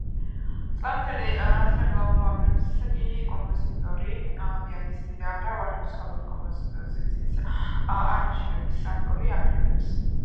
წლევანდელ სარეკლამო აბრებს კი კომპოზიტორი, პიანისტი და მრავალი მუსიკალური კომპოზიციის არანჟირების ავტორი ამშვენებს.